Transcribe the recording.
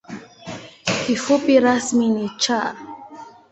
Kifupi rasmi ni ‘Cha’.